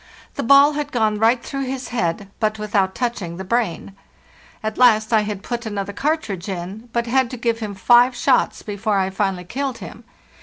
The ball had gone right through his head, but without touching the brain. At last I had put another cartridge in, but had to give him five shots before I finally killed him.